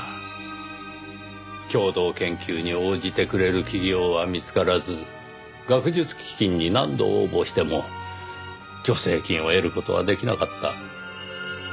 共同研究に応じてくれる企業は見つからず学術基金に何度応募しても助成金を得る事はできなかった。